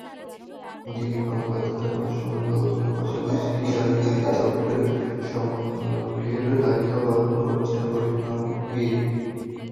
DB কর্মকর্তাদের ভাষ্য, পরিকল্পনার পাশাপাশি জালিয়াতি চক্রের সমন্বয়কের দায়িত্ব পালন করছেন ফরিদ নাবির।